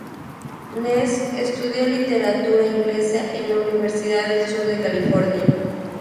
Ness estudió Literatura Inglesa en la Universidad del Sur de California.